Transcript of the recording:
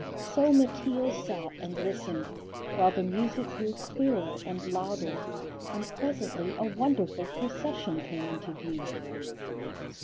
So Mateel sat and listened, while the music grew clearer and louder; and presently a wonderful procession came into view.